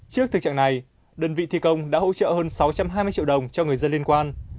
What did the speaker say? trước thực trạng này đơn vị thi công đã hỗ trợ hơn sáu trăm hai mươi triệu đồng cho người dân liên quan